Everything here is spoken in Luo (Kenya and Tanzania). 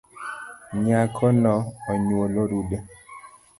Nyako no onywolo rude